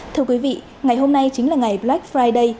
thưa quý vị ngày hôm nay chính là ngày black friday